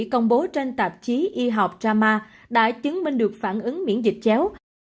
công bố trên tạp chí y học rama đã chứng minh được phản ứng miễn dịch chéo